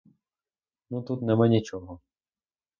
Ну, тут нема нічого.